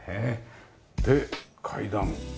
で階段。